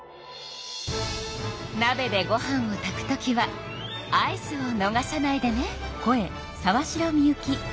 なべでご飯を炊くときは合図をのがさないでね！